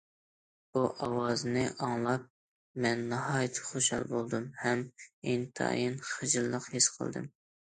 بۇ ئاۋازنى ئاڭلاپ مەن ناھايىتى خۇشال بولدۇم ھەم ئىنتايىن خىجىللىق ھېس قىلدىم.